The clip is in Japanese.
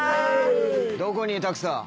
どこにいたくさ？